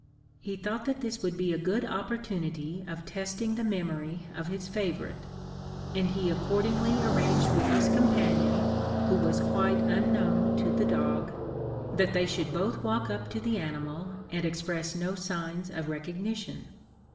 He thought that this would be a good opportunity of testing the memory of his favourite; and he accordingly arranged with his companion, who was quite unknown to the dog, that they should both walk up to the animal, and express no signs of recognition.